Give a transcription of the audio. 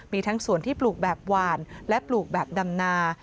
มีทั้งส่วนที่ปลูกแบบหวานและปลูกแบบดำนา